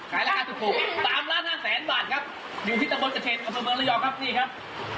ขายราคาถูกสามล้านห้าแสนบาทครับอยู่ที่ตะมดกระเทศของเมืองระยองครับ